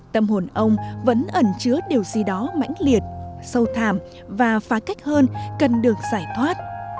tâm hồn ông vẫn ẩn chứa điều gì đó mãnh liệt sâu thàm và phá cách hơn cần được giải thoát